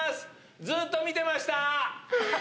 ずっと見てました。